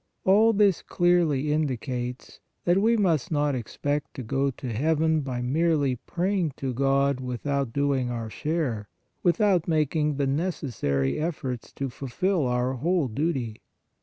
All this clearly indicates that we must not expect to go to heaven by merely praying to God, without doing our share, without making the necessary efforts to fulfil our whole duty.